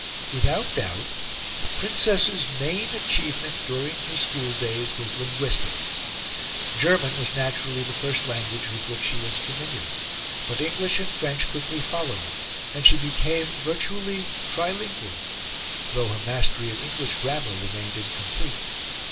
Without doubt, the Princess's main achievement during her school days was linguistic. German was naturally the first language with which she was familiar; but English and French quickly followed; and she became virtually trilingual, though her mastery of English grammar remained incomplete.